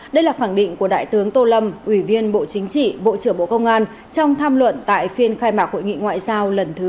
đây là khẳng định của đại tướng tô lâm ủy viên bộ chính trị bộ trưởng bộ công an trong tham luận tại phiên khai mạc hội nghị ngoại giao lần thứ ba mươi